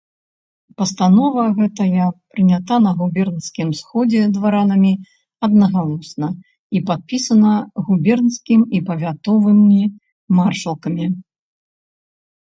Пастанова гэтая прынята на губернскім сходзе дваранамі аднагалосна і падпісана губернскім і павятовымі маршалкамі.